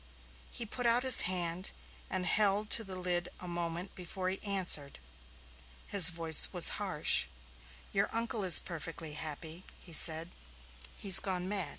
He put out his hand and held to the lid a moment before he answered. His voice was harsh. "Your uncle is perfectly happy," he said. "He's gone mad."